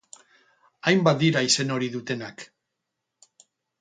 Hainbat dira izen hori dutenak.